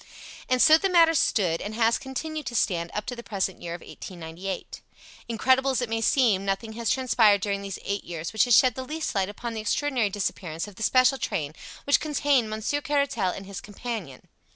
And so the matter stood, and has continued to stand up to the present year of 1898. Incredible as it may seem, nothing has transpired during these eight years which has shed the least light upon the extraordinary disappearance of the special train which contained Monsieur Caratal and his companion.